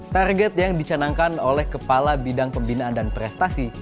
target yang dicanangkan oleh kepala bidang pembinaan dan prestasi